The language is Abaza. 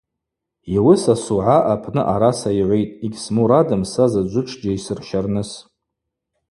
Йуыса Сугӏа апны араса йгӏвитӏ: Йгьсмурадым са Заджвы тшджьайсырщарныс.